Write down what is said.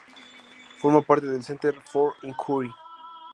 Forma parta del Center for Inquiry.